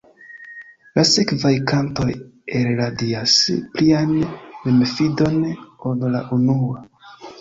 La sekvaj kantoj elradias plian memfidon, ol la unua.